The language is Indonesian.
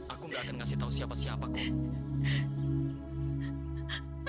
aku tidak akan memberitahu siapa siapaku